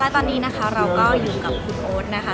ตอนนี้นะคะเราก็อยู่กับคุณโอ๊ตนะคะ